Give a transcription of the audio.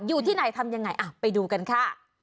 อยู่ที่ไหนทำยังไงไปดูกันค่ะ